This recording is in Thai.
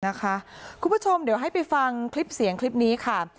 คุณผู้ชมเดี๋ยวให้ไปฟังคลิปเสียงคลิปนี้ค่ะ